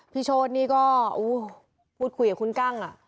พี่โชฎนี่ก็อู้วพูดคุยกับคุณก้าง